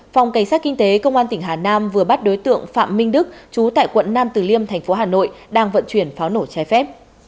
phòng cảnh sát kinh tế công an tỉnh hà nam vừa bắt đối tượng phạm minh đức chú tại quận nam từ liêm thành phố hà nội đang vận chuyển pháo nổ trái phép